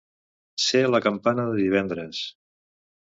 Ser la campana de divendres.